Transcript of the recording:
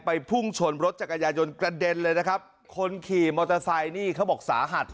พุ่งชนรถจักรยายนกระเด็นเลยนะครับคนขี่มอเตอร์ไซค์นี่เขาบอกสาหัส